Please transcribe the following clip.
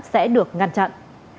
sẽ được ngăn chặn